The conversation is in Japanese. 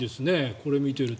これを見てると。